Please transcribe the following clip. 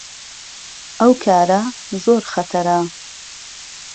ئهو کاره زۆر خهتەره